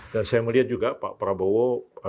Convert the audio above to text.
dan saya melihat juga pak prabowo